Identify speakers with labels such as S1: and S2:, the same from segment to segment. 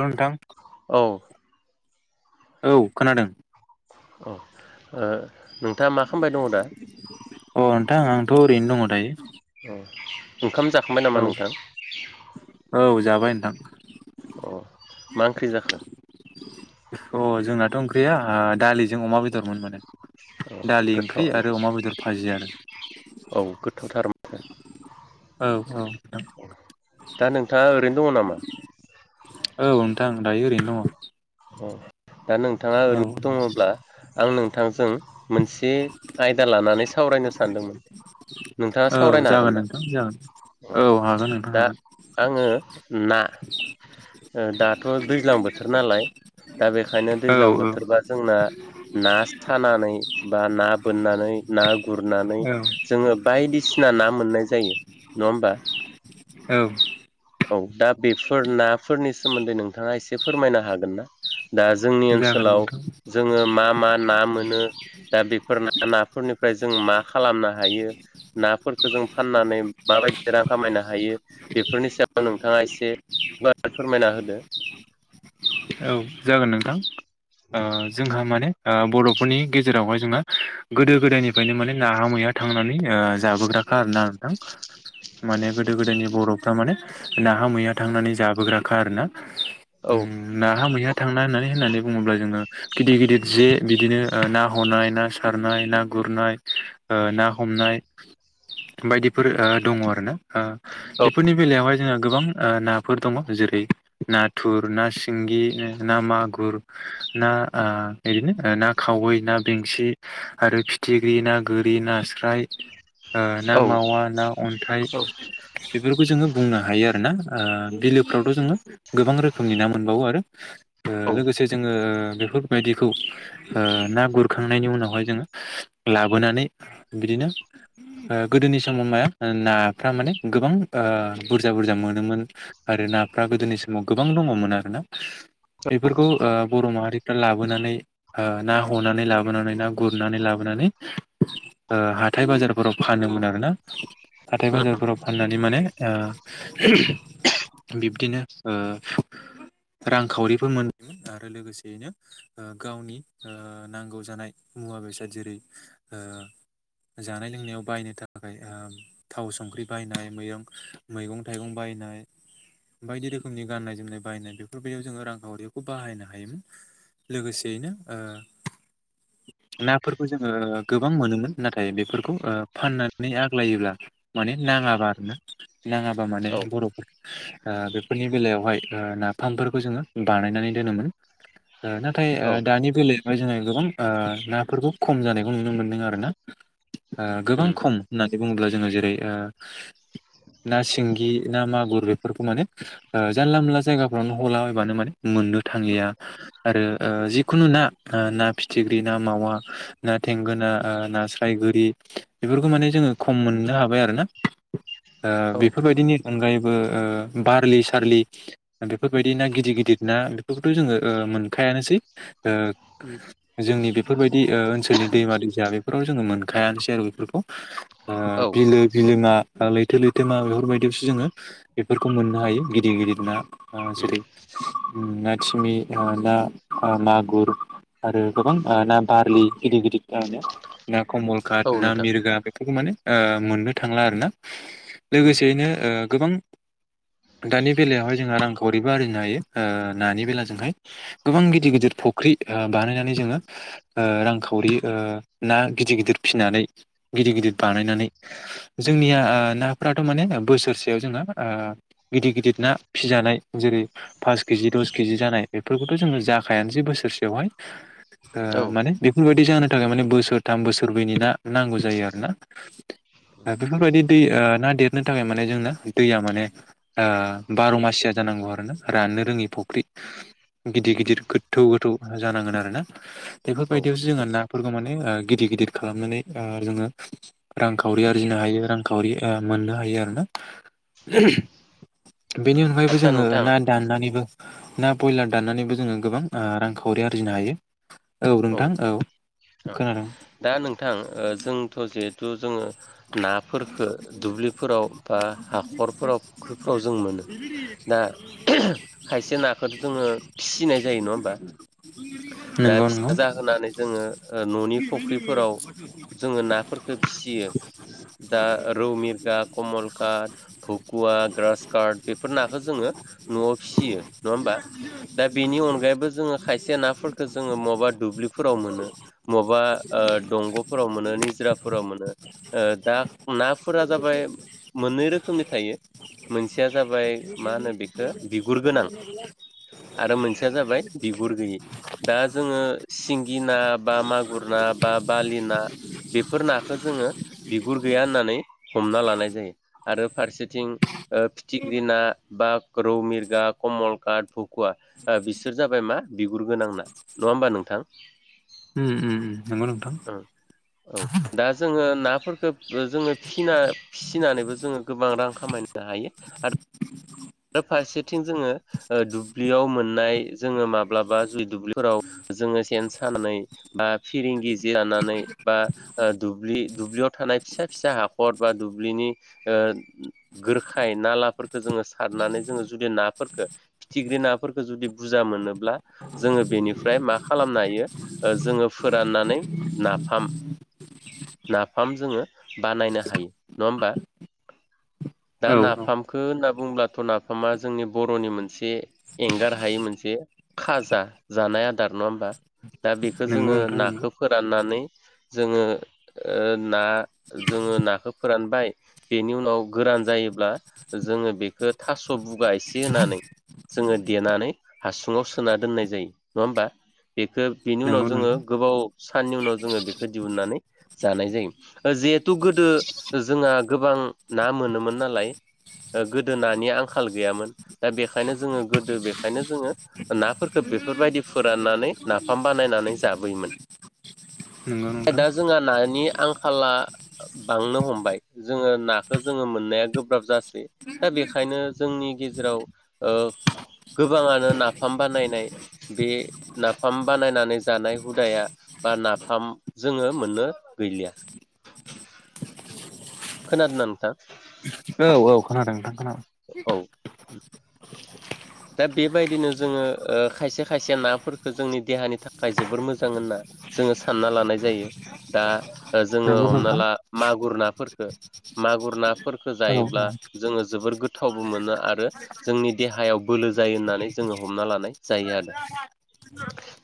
S1: हेल' नोंथां,
S2: औ
S1: औ खोनादों ।
S2: औ ओ नोंथाङा मा खालामबाय दङ' दा?
S1: थ' ओरैनो दङ' दायो।
S2: ओ । ओंखाम जाखांबाय
S1: औ
S2: नामा नोंथां?
S1: औ जाबाय नोंथां ।
S2: अ मा ओंख्रि जाखो?
S1: जोंनाथ' ओंख्रिया दालिजों अमा बेदरमोन माने ।
S2: औ गोथावानो
S1: भाजि आरो
S2: औ गोथावथार माथो ।
S1: औ नोंथां
S2: दा नोंथाङा ओरैनो दङ' नामा?
S1: औ नोंथां दायो ओरैनो दङ'।
S2: ए दा नोंथाङा
S1: औ
S2: ओरैनो दङ'ब्ला आं नोंथांजों मोनसे आयदा लानानै सावरायनो सानदोंमोन । नोंथाङा
S1: औ
S2: सावरायनो हागोन
S1: जागोन
S2: ना?
S1: नोंथां जागोन औ हागोन नोंथां
S2: दा
S1: हागोन
S2: आङो ना दाथ' दैज्लां बोथोर नालाय दा बेखायनो
S1: औ
S2: दैज्लां
S1: औ
S2: बोथोरबा जोंना ना सानानै बा ना बोननानै ना गुरनानै जोङो बायदिसिना सिना ना मोननाय जायो नङा होमबा?
S1: औ ।
S2: औ दा बेफोर नाफोरनि सोमोन्दै नोंथाङा एसे फोरमायनो हागोन ना? दा जोंनि
S1: जागोन
S2: ओनसोलाव
S1: नोंथां
S2: जोङो मा मा ना मोनो दा बेफोर नाफोरनिफ्राय जों मा खालामनो हायो नाफोरखौ जों फाननानै मा बा यदि रां खामायनो हायो बेफोरनि सायाव नोंथाङा एसे गुवारै फोरमायना होदो ।
S1: औ जागोन नोंथां ओ जोंहा माने ओ बरफोरनि गेजेरावहाय जोंहा गोदो गोदायनिफ्रायनो माने नाहा मैया थांनानै ओ जाबोग्रा खा आरो ना नोंथां माने गोदो गोदायनि बर'फोर फ्रा थारमाने नाहा मैहा थांनानै जाबोग्राखा आर ना।
S2: औ ।
S1: नाहा मैहा थांना होनना होननानै बुङोब्ला जोङो गिदिर गिदिर जे बिदिनो ना हनाय ना सारनाय ना गुरनाय ओ ना हमनाय बायदिफोर ओ दङ आरो ना ओ
S2: औ
S1: बेफोरनि बेलायावहाय जोंहा गोबां ओ नाफोर दङ जेरै नाथुर ना सि- सिंगि, ना मागुर ना ओरैनो ना खावै ना बेंसि आरो फिथिख्रि ना गोरि नास्राय ओ ना
S2: औ
S1: मावा ना अन्थाइ
S2: औ
S1: बेफोरखौ जोङो बुंनो हायो आरो ना बिलोफ्रावथ जोङो गोबां रोखोमनि ना मोनबावो आरो ओ
S2: औ
S1: लोगोसे जोङो ओ बेफोरबायदिखौ ओ ना गुरखांनायनि उनावहाय जोङ लाबोनानै बिदि नो ओ गोदोनि समाव मा नाफ्रा माने गोबां ओ बुरजा- बुरजा मोनोमोन आरो नाफ्रा गोदोनि समाव गोबां दङ'मोन आरो ना बेफोरखौ ओ बर' माहारिफ्रा लाबोनानै ओ ना हनानै लाबोनानै ना गुरनानै लाबोनानै ओ हाथाय - बाजारफोराव फानोमोन आरोना हाथाय- बाजारफोराव फाननानै माने ओ बिब्दिनो ओ रांखावरिबो मोन- आरो लोगोसेयैनो ओ गावनि ओ नांगौ जानाय मुवा -बेसाद जेरै ओ ओ जानाय - लोंनायाव बायनो थाखाय ओ थाव - संख्रि बायनाय मैगं मैगं- थाइगं बाय नाय बायदि रोखनि गाननाय जोमनाय बायनाय बेफोरबायदियाव जोङो रांखावरिखौ बाहायनो हायोमोन लोगोसेयैनो ओ नाफोरखौ जोङो गोबां मोनोमोन नाथाय बेफोरखौ ओ फाननानै आग्लायोब्ला माने नाङाबा आरो ना नाङाबा माने
S2: औ
S1: बरफोर ओ बेफोरनि बेलायावहाय ओ ना- फामफोरखौ जोङो बानायनानै दोनोमोन ओ नाथाय ओ दानि बेलायाव ओमफ्राय जोंहा गोबां ओ नाफोरखौ खम जानायखौ नुनो मोनदों आरो ना ओ गोबां
S2: उम
S1: खम होननानै बुङोब्ला जोङो जेरै ओ ना सिंगि ना मागुर बेफोरखौ माने ओ जानला - मोनला जायगा फोरावनो हलाबानो माने मोननो थांलिया आरो ओ जिखुनु ना ओ ना फिथिख्रि ना मावा ना थेंगोना ओ ना स्राय गोरि बेफोरखौ माने जोङो खम मोननो हाबाय आरो ओ
S2: औ
S1: बेफोरबायदिनि अनगायैबो ओ बारलि-सारलि बेफोरबायदि ना गिदिर - गिदिर ना बेफोरखौथ जोङो ओ मोनखायासै
S2: उम
S1: जोंनि बेफोरबायदि ओ ओनसोलनि दैमा- दैसा बेफोराव जोङो मोनखायानोसै आरो बेफोरखौ ओ
S2: औ
S1: बिलो - बिलोमा, लैथो- लैथोमा बेफोरबायदियावसो जोङो बेफोरखौ मोननो हायो गिदिर गिदिर ना ओ
S2: उम
S1: जेरै ना थिमि ओ ना मागुर आरो गोबां ना बारलि गिदिर-गिदिरो ना
S2: औ
S1: कमलकाट ना
S2: नोंथां
S1: मिरगा माने ओ मोननो थांला आरोना
S2: उम
S1: लोगोसेयैनो ओ गोबां दानि बेलायावहाय जोंहा रां खावरिबो आरजिनो हायो ओ नानि बेला जोंहाय गोबां गिदिर- गिदिर फुख्रि ओ बानायनानै जोङो ओ रांखावरि अ ना गिदिर- गिदिर फिनानै गिदिर - गिदिर बानायनानै जोंनिया नाफोराथ' माने बोसोरसेयाव जोंना आ गिदिर- गिदिर ना फिजानाय जेरै पास केजि, दस केजि जानाय बेफोरखौथ' जोङो जाखायानोसै बोसोरसेयावहाय अ
S2: औ औ
S1: माने बेफोरबायदि जानो थाखाय माने बोसोरथाम, बोसोरब्रैनि ना नांगौ जायो आरोना ओ बेफोरबायदि दै ओ ना देरनो थाखाय माने जोंना दैया माने आ बार' मास ज जानांगौ आरो ना राननो रोङि फुख्रि गिदिर गिदिर गोथौ गोथौ जानांगोन आरो ना
S2: उम
S1: बेफोरबायदियावसो जोंहा नाफोरखौ माने गिदिर गिदिर खालामनानै ओ जोङो रांखावरि आरजिनो हायो रांखावरि ओ मोननो हायो आरोना बेनि अनगायैबो
S2: आदसा
S1: जोङो
S2: नोंथां
S1: ना दाननानैबो ना बयलार दाननानैबो जोङो गोबां रांखावरि आरजिनो हायो औ नोंथां औ खोनादों
S2: दा नोंथां जोंथ' जिहेथु जोङो नाफोरखो दुब्लिफोराव बा हाखरफोराव फुख्रिफोराव जों मोनो दा खायसे नाखौ' जोङो फिसिनाय जायो नङा होमबा दा
S1: नंगौ नंगौ
S2: फिसा जाहोनानै जोङो न'नि फुख्रिफोराव जोङो नाफोरफोरखौ फिसियो दा रौ मिरगा कमल कार्ट भकुवा ग्रास कार्ट बेफोर नाखौ जोङो न'आव फिसियो नङा होमबा दा बेनि अनगायैबो जोङो खाय यसे नाफोरखौ जोङो मबा दुब्लिफोराव मोनो मबा अ दंग'फोराव मोनो निजरा फोराव मोनो ओ दा नाफोरा जाबाय मोननै रोखोमनि थायो मोनसेया जाबाय मा होनो बेखौ बिगुर गोनां आरो मोनसेया जाबाय बिगुर गैयि दा जोङो सिंगि ना बा मागुर ना बा बालि ना बेफोर नाखौ जों जोङो बिगुर गैया होननानै हमना लानाय जायो आरो फारसेथिं फिथिख्रि ना बा रौ मिरगा कमल काट भुक कुवा बिसोर जाबाय मा बिगुर गोनां नना नङा होमबा नोंथां
S1: उम उम नंगौ नोंथां
S2: औ दा जोङो ना फोरखौ जोङो फिना फिसिनानैबो जोङो गोबां रां खामायनो हायो आरो फारसेथिं जोङो अ दुब्लियाव मोननाय जोङो माब्लाबा दुब्लिफोराव जोङो सेन सानानै बा फिरिंगि जे जानानै बा दुब्लि दुब्लियाव थानाय फिसा फिसा हाखर बा दुब्लिनि गोरखाय बा नालाफोरखौ जोङो सारनानै जोङो जुदि नाफोरखौ फिथिग्रि नाफोरखौ जुदि बुरजा मोनोब्ला जोङो बेनिफ्राय मा खालामनो हायो जोङो फोराननानै नाफाम
S1: [unintelligible]
S2: नाफाम जोङो बानायनो हायो नङा होमबा दा
S1: औ
S2: नाफामखौ होनना बुङोब्ला थ' नाफामा जोंनि बर'नि मोनसे एंगार हायि मोनसे खाजा जानाय आदार नङा होमबा दा बेखौ
S1: नंगौ
S2: जोङो
S1: नोंथां नंगौ
S2: नाखौ फोराननानै जोङो ओ ना जोङो नाखौ फोरानबाय बेनि उनाव गोरान जायोब्ला जों जोङो बेखौ थास' बुगा एसे होनानै जोङो देनानै हासुङाव सोना दोननाय जायो नङा होमबा बेखौ बेनि उनाव
S1: नंगौ
S2: जोङो
S1: नोंथां
S2: गोबाव साननि उनाव जोङो बेखौ दिहुननानै जानाय जायो जिहेथु गोदो जोंहा गोबां ना मोनोमोन नालाय नि आंखाल गैयामोन दा बेनिखायनो जोङो गोदो बेखायनो जोङो नाफोरखौ बेफोरबायदि फोरान नानै नाफाय बानायनानै जाबोयोमोन
S1: नंगौ नोंथां
S2: दा जोंहा नानि आंखाला बांनो हमबाय जोङो नाखौ जोङो मोननाया गोब्राब जासै दा बे ओंखायनो जोंनि गेजेराव गोबाङानो नाफाम बानायनाय बे नाफाम बानायनानै जानाय हुदाया बा नाफाम जोङो मोननो गैलिया।
S1: [inaudible]
S2: खोनादोंना नोंथां?
S1: औ औ खोनादों नोंथां खोनादों?
S2: औ दा बेबायदिनो जोङो खायसे खायसे नाफोरखौ जोंनि देहानि थाखाय जोबोर मोजां होनना। जोङो सानना लानाय जायो दा जोङो
S1: नंगौ
S2: हमना
S1: नोंथां
S2: ला मागुर नाफोरखो मागुर ना फोर
S1: औ
S2: जायोब्ला जोङो जोबोर गोथावबो मोनो आरो जोंनि देहायाव बोलो जायो होननानै जोङो हमना लानाय जायो आरो।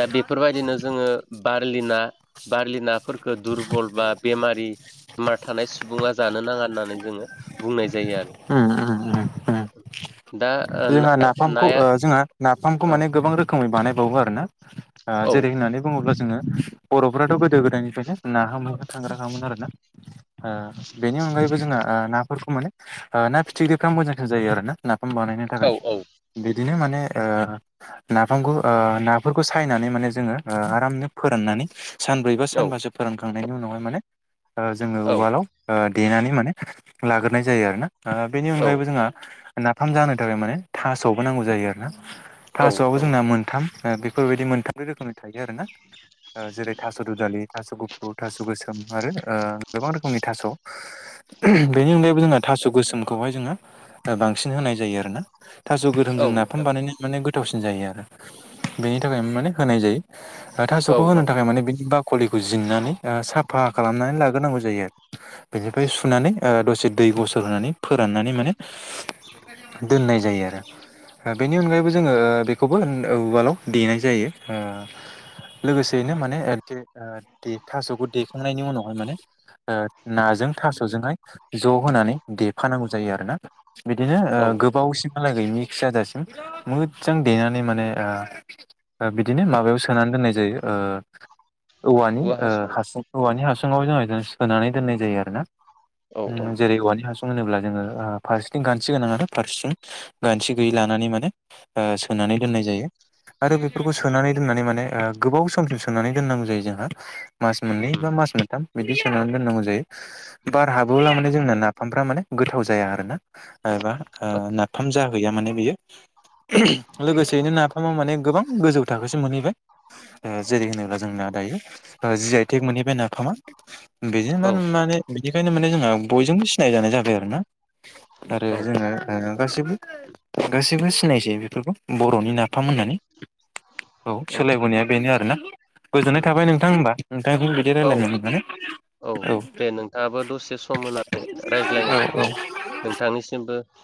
S2: दा बेफोरबायदिनो जोङो बारलि ना बारलि नाफोरखौ दुरबल बा बेमारि बेमार थानाय सुबुङा जानो नाङा होननानै जोङो बुंनाय जायो आरो
S1: उम उम उम ।
S2: [inaudible]
S1: जोंहा
S2: ओ
S1: नाफामखौ
S2: नाया
S1: जोंहा नाफामखौ
S2: औ
S1: माने गोबां रोखोमै बानायबावो आरो ना
S2: औ
S1: जेरै होननानै बुङोब्ला जोङो बर'फोराथ' गोदो गोदायनिफ्रायनो ना हाम थांग्राखाङोमोन आरो ना। ओ बेनि अनगायैबो जोङो नाफोरखौ मे ना फिथिख्रिफ्र मोजांसिन जायो आरो ना नाफ्राम बानाय थाखाइ
S2: औ औ
S1: बिदिनो माने ओ नाफामखौ नाफोरखौ सायनानै माने जोङो आरामनो फोराननानै सानब्रै बा
S2: औ
S1: सानबासो फोरोंखांनायनि उनावहाय माने जोङो
S2: औ
S1: उवालाव देनानै माने लाग्रोनाय जायो आरोना बेनि
S2: औ
S1: अनगायैबो
S2: औ
S1: जोंहा नाफाम जानो नि थाखाय माने थास'आवबो नांगौ जायो आरो ना थास'वआवबो
S2: औ
S1: जोंना मोनथाम बेफोरबायदि मोनथाम रोखोमनि थायो आरो ना जेरै थास' दु दालि थास' गुफुर थास' गोसो गोम आरो गोबां रोखोमनि थास' बेनि अनगायैबो जोंहा थास' गोसोमखौहाय जोङो बांसिन होनाय जायो आरोना थास'
S2: औ
S1: गोरोमजों नाफाम
S2: नोंथां
S1: बानायनानै माने गोथावसिन जायो आरो बेनि थाखाय माने होनाय जायो
S2: औ
S1: थास'खौ
S2: औ
S1: होनो थाखाय माने बेनि ब कलिखौ जनानै साफा खालामनानै लाग्रोनांगौ जायो आरो बेनिफ्राय सुनानै दसे दै दैुइ बोसोर होनानै फोराननानै माने दोननाय जायो आरो। बेनि अनगायैबो जोङो बेखौबो उवालाव देनाय जायो। लोगोसेयैनो माने थास'खौ देखांनायनि उनावहाय माने ओ थ जानै द जोना
S2: औ
S1: बि जा मोनानै म बिनो म सोनानै दोननाय जायो ओ। औवानि
S2: औवा हासुं
S1: हास
S2: औ
S1: औवानि हासुङाव जोंहा बिदिनो सोनानै दोननाय जायो आरोना।
S2: औ औ
S1: जेरै औवानि हासुं होनोब्ला जोङो फारसेथिं गानस गोनां आरो फारसेथिं गानस्रि गैयै लानानै माने सोनानै दोननाय जायो आरो बेफोरखौ सोनानै दोननानै माने गोबाव समसिम सोनानै दोननांगौ जायो जोंहा। मास मोननै
S2: उम
S1: बा मास मोनथाम बिदि सोनानै दोननांगौ जायो बार हाबोब्ला माने जोंना ना नाफामफ्रा माने गोथाव जाया आर ना एबा
S2: औ
S1: नाफाम जाहैया माने बियो। लोगोसेयैनो नाफामाव माने गोबां गोजौ थाखोसिम मोनहैबाय जेरै होनोब्ला जोंना दायो जि आइ थेक मोनहैबाय नाफामा बिदिनो
S2: औ
S1: म माने बिनिखायनो माने जोंहा बयजोंबो सिनाय जानाय जाबाय आरोना आरो
S2: औ
S1: जोङो ग गासैबो सिनायसै बेफोरखौ बर'नि नाफाम होननानै। औ सोलायबोननायाया बेनो आरोना। गोजोननाय
S2: उम
S1: थाबाय नोंथां होनोमबा नोंथांखौ बिदि
S2: औ
S1: रायजलायनो मोनगोन औ।
S2: मोननानै रायज्लायनो
S1: औ औ
S2: थाखाय नोंथांनिसिमबो